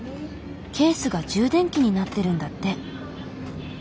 ケースが充電器になってるんだって。